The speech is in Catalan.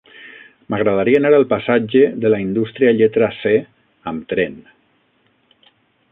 M'agradaria anar al passatge de la Indústria lletra C amb tren.